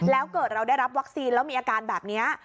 แล้วเกิดเราได้รับวัคซีนแล้วมีอาการแบบนี้